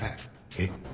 えっ？